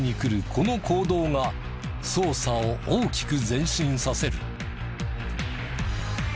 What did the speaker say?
この行動が捜査を大きく前進させる。